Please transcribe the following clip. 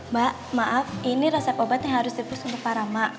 mbak maaf ini resep obat yang harus tirpus untuk para mak